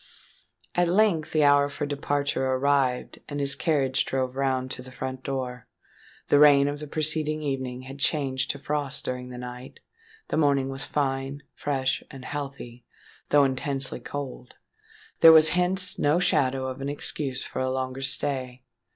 At length the hour for departure arrived; and his carriage drove round to the front door. The rain of the preceding evening had changed to frost during the night;—the morning was fine, fresh, and healthy, though intensely cold; there was hence no shadow of an excuse for a longer stay.